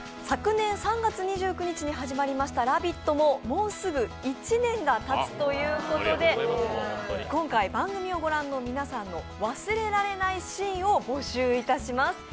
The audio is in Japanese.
昨年３月２９日に始まりました「ラヴィット！」ももうすぐ１年がたつということで、今回、番組を御覧の皆さんの忘れられないシーンを募集いたします。